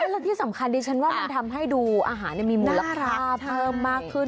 และที่สำคัญดิฉันว่ามันทำให้ดูอาหารมีมูลค่าเพิ่มมากขึ้น